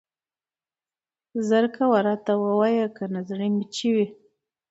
زر کوه راته ووايه کنه زړه مې چوي.